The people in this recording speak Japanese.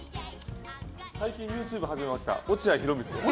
最近ＹｏｕＴｕｂｅ始めました落合博満です。